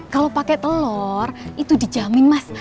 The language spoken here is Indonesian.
kalau pakai telur itu dijamin mas